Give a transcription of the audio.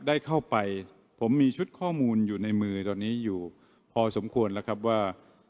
ได้เข้าไปผมมีชุดข้อมูลอยู่ในมือตอนนี้อยู่พอสมควรแล้วครับว่า